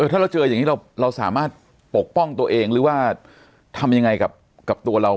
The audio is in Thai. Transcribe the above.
ถ้าเราเจออย่างนี้เราสามารถปกป้องตัวเองหรือว่าทำยังไงกับตัวเรา